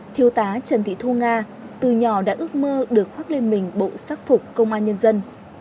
thiếu tá trần thị thu nga từ nhỏ đã ước mơ được khoác lên mình bộ sắc phục công an nhân dân